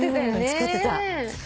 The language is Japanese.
作ってた。